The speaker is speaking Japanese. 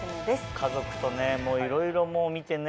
家族とねいろいろ見てね